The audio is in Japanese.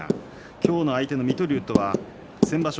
今日の相手の水戸龍、先場所